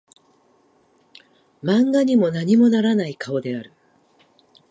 漫画にも何もならない顔である